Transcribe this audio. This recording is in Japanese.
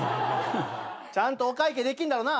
ちゃんとお会計できんだろうな？